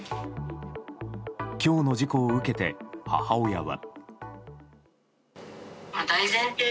今日の事故を受けて、母親は。